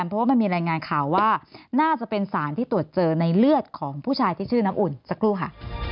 เพราะว่ามันมีรายงานข่าวว่าน่าจะเป็นสารที่ตรวจเจอในเลือดของผู้ชายที่ชื่อน้ำอุ่นสักครู่ค่ะ